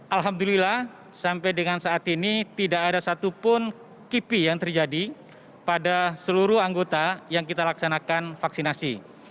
alhamdulillah sampai dengan saat ini tidak ada satupun kipi yang terjadi pada seluruh anggota yang kita laksanakan vaksinasi